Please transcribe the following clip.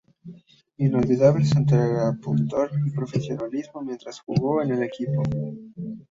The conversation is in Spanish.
Inolvidable su entrega, pundonor y profesionalismo mientras jugó en el equipo.